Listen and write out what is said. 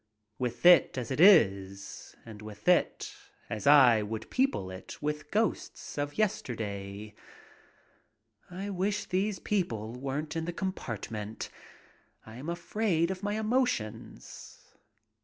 With it as it is, and with it as I would people it with ghosts of yesterday. I wish these people weren't in the compartment. I am afraid of my emotions.